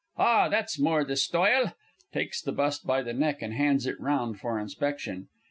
_) Ah, that's more the stoyle! (_Takes the Bust by the neck and hands it round for inspection.